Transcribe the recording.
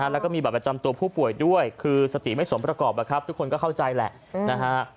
แล้วก็มีบัตรประจำตัวผู้ป่วยด้วยคือสติไม่สมประกอบทุกคนก็เข้าใจแหละนะฮะ